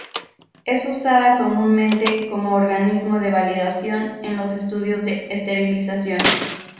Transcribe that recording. Es usada comúnmente como organismo de validación en los estudios de esterilización.